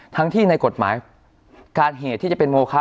ทั้งที่ในกฎหมายการเหตุที่จะเป็นโมคะ